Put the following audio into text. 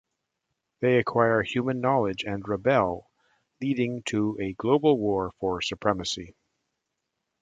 They acquire human knowledge and rebel, leading to a global war for supremacy.